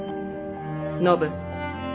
信！